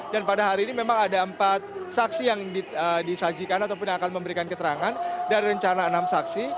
dan pada hari ini memang ada empat saksi yang disajikan ataupun yang akan memberikan keterangan dari rencana enam saksi